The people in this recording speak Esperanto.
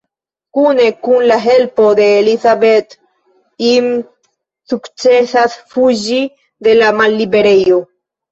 Kune kun la helpo de Elisabeth, Jim sukcesas fuĝi de la malliberejo.